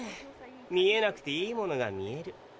見えなくていいものが見える。